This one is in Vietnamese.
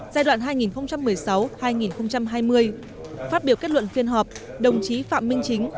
giai đoạn hai nghìn một mươi sáu hai nghìn hai mươi phát biểu kết luận phiên họp đồng chí phạm minh chính